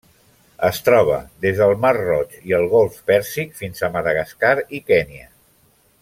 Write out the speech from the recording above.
Es troba des del Mar Roig i el Golf Pèrsic fins a Madagascar i Kenya.